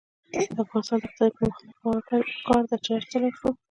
د افغانستان د اقتصادي پرمختګ لپاره پکار ده چې حج ته لاړ شو.